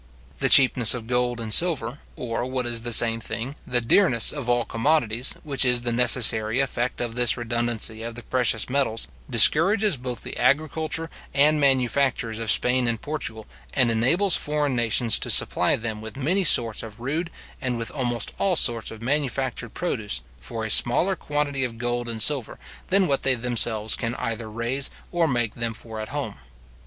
The cheapness of gold and silver, or, what is the same thing, the dearness of all commodities, which is the necessary effect of this redundancy of the precious metals, discourages both the agriculture and manufactures of Spain and Portugal, and enables foreign nations to supply them with many sorts of rude, and with almost all sorts of manufactured produce, for a smaller quantity of gold and silver than what they themselves can either raise or make them for at home.